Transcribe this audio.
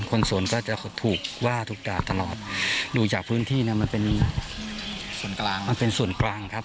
คนส่วนก็จะถูกว่าถูกด่าตลอดดูจากพื้นที่เนี่ยมันเป็นส่วนกลางครับ